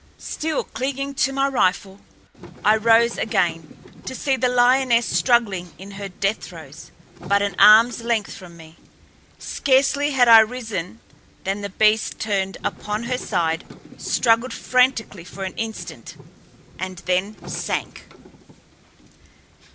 Still clinging to my rifle, I rose again, to see the lioness struggling in her death throes but an arml's length from me. Scarcely had I risen than the beast turned upon her side, struggled frantically for an instant, and then sank.